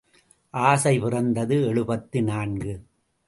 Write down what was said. ஆசை பிறந்தது எழுபத்து நான்கு.